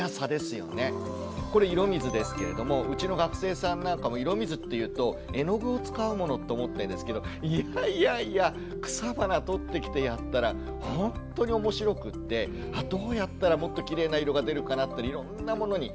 これ色水ですけれどもうちの学生さんなんかも色水っていうと絵の具を使うものと思ってるんですけどいやいやいや草花とってきてやったらほんとに面白くってあどうやったらもっときれいな色が出るかなっていろんなものに。